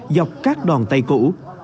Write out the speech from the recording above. dọc các đòn tay cũ